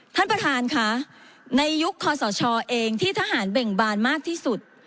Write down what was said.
ท่านประธานค่ะในยุคคอสชเองที่ทหารเบ่งบานมากที่สุด